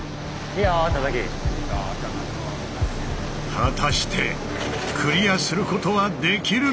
果たしてクリアすることはできるのか？